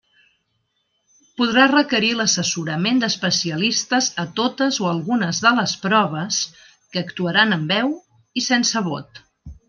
Podrà requerir l'assessorament d'especialistes a totes o algunes de les proves, que actuaran amb veu i sense vot.